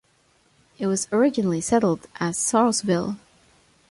It was originally settled as Sarlesville.